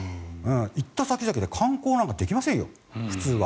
行った先々で観光なんてできませんよ、普通は。